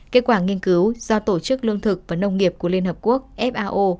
kết quả nghiên cứu do tổ chức lương thực và nông nghiệp của liên hợp quốc fao